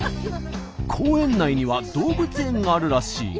公園内には動物園があるらしいが。